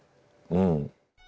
うん。